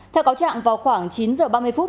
theo cáo trạng vào khoảng chín h ba mươi phút